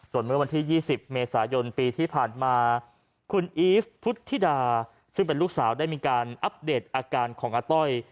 ส่วนเมื่อวันที่๒๐เมษายนปีที่ผ่านมาคุณอีฟพุทธิดาซึ่งเป็นลูกสาวได้มีการอัปเดตอาการของอาต้อย